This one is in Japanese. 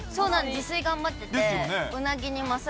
自炊頑張ってて。